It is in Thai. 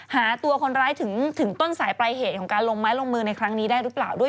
หาตัวคนร้ายถึงต้นสายปลายเหตุของการลงไม้ลงมือในครั้งนี้ได้หรือเปล่าด้วย